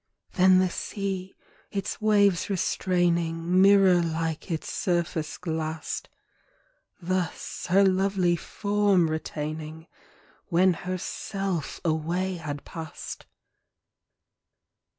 Then the sea, its waves restraining, Mirror like its surface glassed; Thus her \Q\t\y form retaining, When her x^ away had passed.